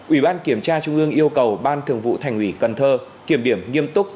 ủy ban kiểm tra trung ương yêu cầu ban thường vụ thành ủy cần thơ kiểm điểm nghiêm túc